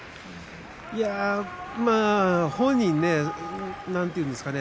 いや本人なんていうんですかね